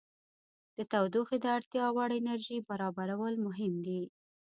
د تودوخې د اړتیا وړ انرژي برابرول مهم دي.